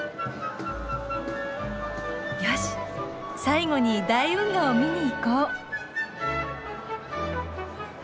よし最後に大運河を見に行こう。